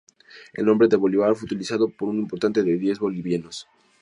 El nombre de "bolívar" fue utilizado por un importe de diez bolivianos.